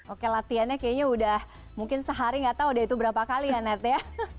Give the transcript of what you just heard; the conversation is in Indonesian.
oke latihannya kayaknya udah mungkin sehari nggak tahu udah itu berapa kali ya net ya